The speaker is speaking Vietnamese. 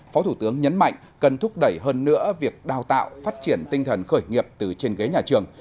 phó thủ tướng nhấn mạnh cần thúc đẩy hơn nữa việc đào tạo phát triển tinh thần khởi nghiệp từ trên ghế nhà trường